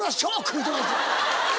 言うてますよ。